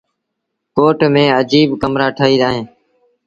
ڪوٽ ميݩ اجيٚب ڪمرآ ٺهيٚل اوهيݩ ۔